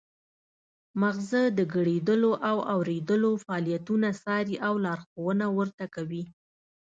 مغزه د ګړیدلو او اوریدلو فعالیتونه څاري او لارښوونه ورته کوي